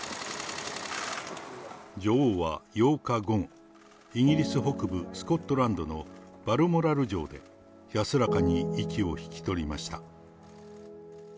女王は８日午後、イギリス北部スコットランドのバルモラル城で、安らかに息を引き取りました。